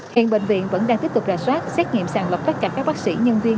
hiện bệnh viện vẫn đang tiếp tục rà soát xét nghiệm sàng lọc tất cả các bác sĩ nhân viên